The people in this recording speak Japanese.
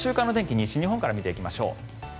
西日本から見ていきましょう。